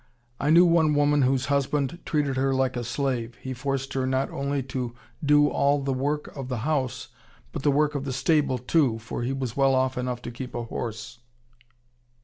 I knew one woman whose husband treated her like a slave. He forced her not only to do all the work of the house, but the work of the stable too, for he was well enough off to keep a horse.